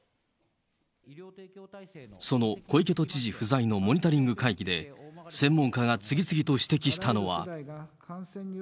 その小池都知事不在のモニタリング会議で、専門家が次々と指摘したのは。